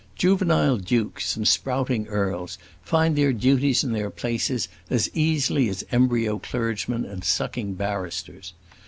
Juvenile dukes, and sprouting earls, find their duties and their places as easily as embryo clergymen and sucking barristers.